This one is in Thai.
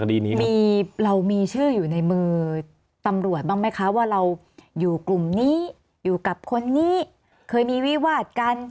เรามีชื่ออยู่ในมือตำรวจบ้างไหมคะว่าเราอยู่กลุ่มนี้อยู่กับคนนี้เคยมีวิวาดกัน